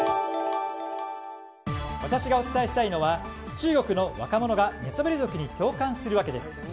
私がお伝えしたいのは中国の若者が寝そべり族に共感する訳です。